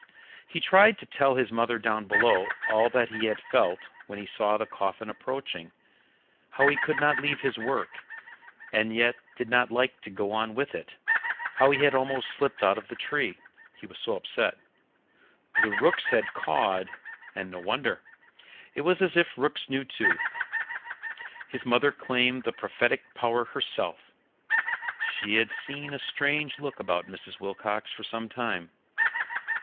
He tried to tell his mother down below all that he had felt when he saw the coffin approaching: how he could not leave his work, and yet did not like to go on with it; how he had almost slipped out of the tree, he was so upset; the rooks had cawed, and no wonder it was as if rooks knew too. His mother claimed the prophetic power herself she had seen a strange look about Mrs. Wilcox for some time.